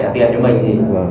để trả tiền cho mình